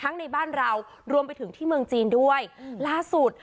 ในบ้านเรารวมไปถึงที่เมืองจีนด้วยล่าสุด